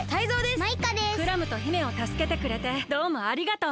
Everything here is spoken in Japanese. クラムと姫をたすけてくれてどうもありがとう！